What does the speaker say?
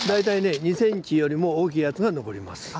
２ｃｍより大きいものが残ります。